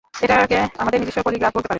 এটাকে আমাদের নিজস্ব পলিগ্রাফ বলতে পারেন।